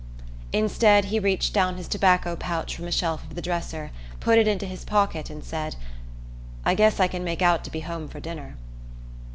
Instead, he reached down his tobacco pouch from a shelf of the dresser, put it into his pocket and said: "I guess I can make out to be home for dinner."